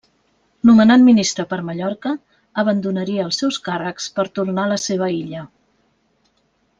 Nomenat ministre per Mallorca abandonaria els seus càrrecs per tornar a la seva illa.